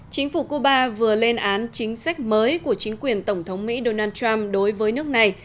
chính phủ cuba vừa lên án chính sách mới của chính quyền tổng thống mỹ donald trump đối với nước này